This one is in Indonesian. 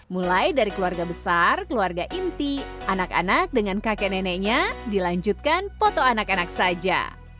mulai dari keluarga besar keluarga inti anak anak dengan kakek neneknya dilanjutkan foto anak anak saja